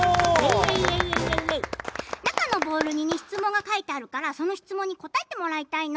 中のボールに質問が書いてあるからその質問に答えてもらいたいの。